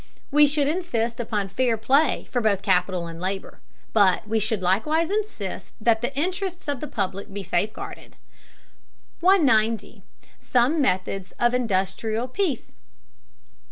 We should insist upon fair play for both capital and labor, but we should likewise insist that the interests of the public be safeguarded. 190. SOME METHODS OF INDUSTRIAL PEACE.